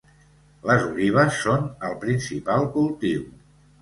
Les olives són el principal cultiu.